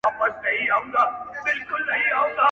چي مي نظم ته هر توری ژوبل راسي-